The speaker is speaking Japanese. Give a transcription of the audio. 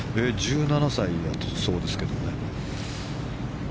１７歳だそうですけどね。